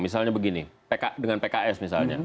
misalnya begini dengan pks misalnya